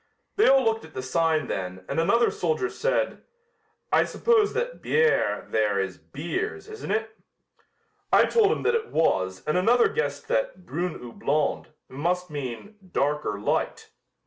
They all looked at the sign then, and another soldier said: 'I suppose that "bières" there is "beers," isn't it?' "I told him that it was and another guessed that 'brune ou blonde' must mean 'dark or light.'